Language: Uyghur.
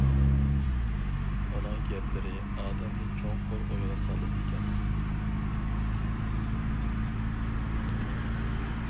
ئۇنىڭ گەپلىرى ئادەمنى چوڭقۇر ئويغا سالىدىكەن.